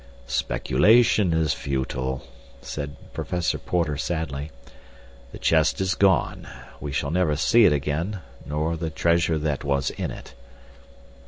"Speculation is futile," said Professor Porter sadly. "The chest is gone. We shall never see it again, nor the treasure that was in it."